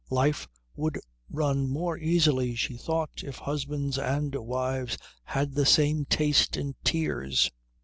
Life would run more easily, she thought, if husbands and wives had the same taste in tears.